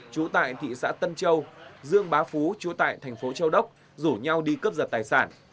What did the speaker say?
chủ tại thị xã tân châu dương bá phú chủ tại thành phố châu đốc rủ nhau đi cấp giật tài sản